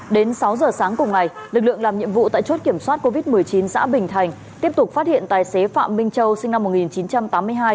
đến sáu giờ sáng cùng ngày lực lượng làm nhiệm vụ tại chốt kiểm soát covid một mươi chín xã bình thành tiếp tục phát hiện tài xế phạm minh châu sinh năm một nghìn chín trăm tám mươi hai